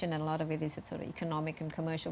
dan banyaknya adalah penggunaan ekonomi dan komersial